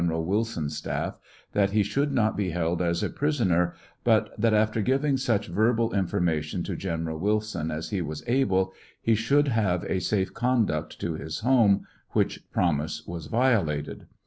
809 eral Wilson's staff, that he should not be held as a prisoner, but that after giving such verbal information to General Wilson as he was able, he should have a safe conduct to his home, which promise was violated.